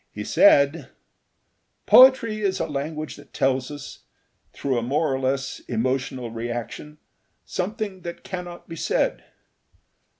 He said: "Poetry is a language that tells us, through a more or less emotional reaction, something that cannot be said.